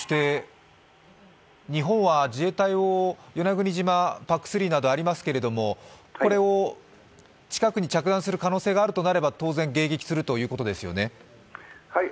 日本は自衛隊を与那国島、ＰＡＣ３などありますけれどもこれを近くに着弾する可能性があれば、当然迎撃するということですよね？